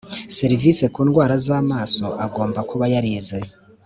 serivisi ku ndwara z amaso agomba kuba yarize